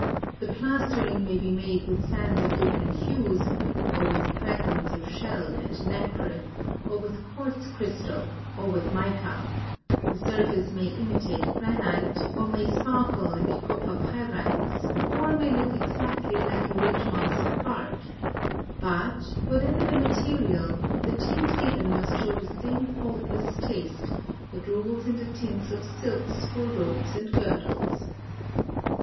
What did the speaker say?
Tbe plastering may be made with sands of different hues, or with fragments of shell and nacre, or with quartz crystal, or with mica ; the surface may imitate granite, or may sparkle like copper pyrites, or may look exactly like a rich mass of bark ; but, whatever the material, the tint given must show the same faultless taste that rules in the tints of silks for robes and girdles.